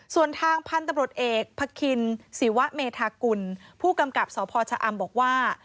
ส่วนทางพันธุ์ตำรวจเอกพระคินศิวะเมธากุลผู้กำกับสพชะอำบอกว่า